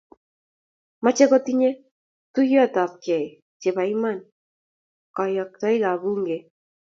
mochei kotinyei tuyiotibwek chebo iman kayoktoikab Bunge.